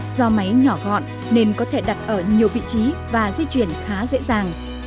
do máy nhỏ gọn nên có thể đặt ở nhiều vị trí và di chuyển khá dễ dàng